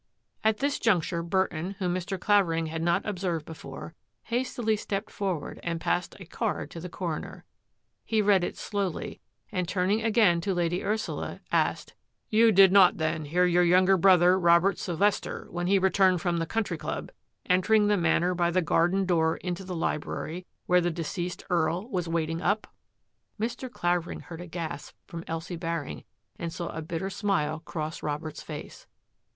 At this juncture Burton, whom Mr. Clavering had not observed before, hastily stepped forward and passed a card to the coroner. He read it slowly, and turning again to Lady Ursula, asked :" You did not, then, hear your younger brother, Robert Sylvester, when he returned from the Country Club, entering the Manor by the garden door into the library where the deceased Earl was waiting up? " Mr. Clavering heard a gasp from Elsie Baring and saw a bitter smile cross Robert's face.